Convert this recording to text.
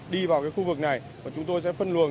đi vào khu vực này chúng tôi sẽ phân luồng